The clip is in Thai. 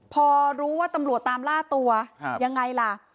พอรู้ว่าตำรวจตามล่าตัวยังไงล่ะ